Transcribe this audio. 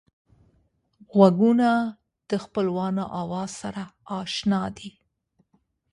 غوږونه د خپلوانو آواز سره اشنا دي